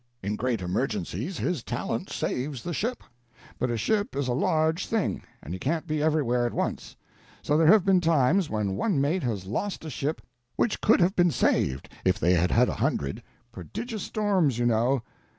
In great emergencies his talent saves the ship. But a ship is a large thing, and he can't be everywhere at once; so there have been times when one mate has lost a ship which could have been saved if they had had a hundred. Prodigious storms, you know.